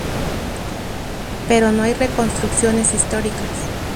Pero no hay reconstrucciones históricas.